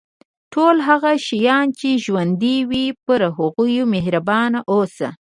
ټول هغه شیان چې ژوندي وي پر هغوی مهربان اوسه.